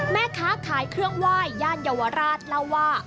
แม่ค้าขายเครื่องไหว้ย่านเยาวราชเล่าว่า